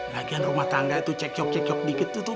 lagian rumah tangga itu cekyok cekyok dikit tuh